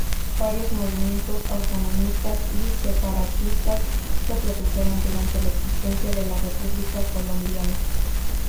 Varios movimientos autonomistas y separatistas se produjeron durante la existencia de la república colombiana.